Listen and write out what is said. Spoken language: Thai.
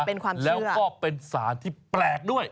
เป็นความลับแล้วก็เป็นสารที่แปลกด้วย